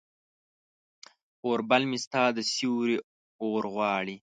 اوربل مې ستا د سیوري اورغواړي